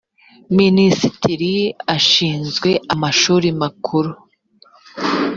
minisitiri ashinzwe amashuri makuru.